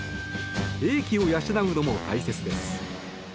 英気を養うのも大切です。